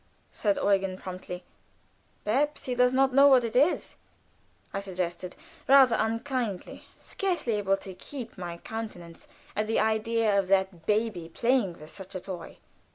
said Eugen, promptly. "Perhaps he doesn't know what it is," I suggested, rather unkindly, scarcely able to keep my countenance at the idea of that baby playing with such a toy.